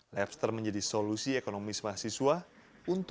labster menjadi solusi ekonomis mahasiswa